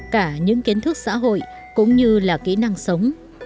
cả những kiến thức xã hội cũng như là kỹ năng sống